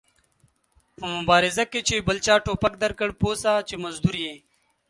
په مبارزه کې چې بل چا ټوپک درکړ پوه سه چې مزدور ېې